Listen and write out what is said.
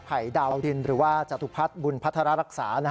ดาวดินหรือว่าจตุพัฒน์บุญพัฒนารักษา